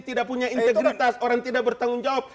tidak punya integritas orang tidak bertanggung jawab